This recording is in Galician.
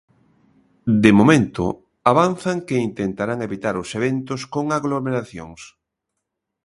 De momento avanzan que intentarán evitar os eventos con aglomeracións.